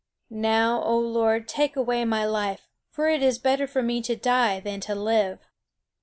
Now, O Lord, take away my life, for it is better for me to die than to live."